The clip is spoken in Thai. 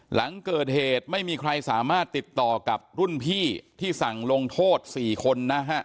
หลังเกิดเหตุไม่มีใครสามารถติดต่อกับรุ่นพี่ที่สั่งลงโทษ๔คนนะฮะ